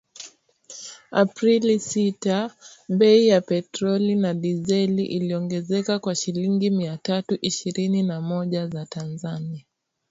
Aprili sita bei ya petroli na dizeli iliongezeka kwa shilingi mia tatu ishirini na moja za Tanzania